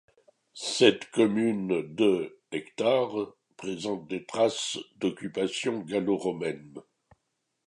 Cette commune de hectares, présente des traces d’occupation gallo-romaine.